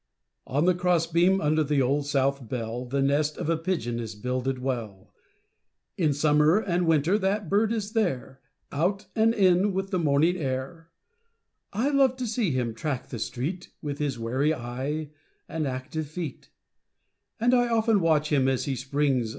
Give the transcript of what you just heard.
On the cross beam under the Old South bell The nest of a pigeon is builded well. B I li (88) In summer and winter that bird is there, Out and in with the morning air : I love to see him track the street, Witli his wary eye and active feet ; And 1 often watch him as he springs.